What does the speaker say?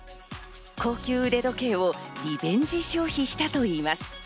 高級腕時計をリベンジ消費したといいます。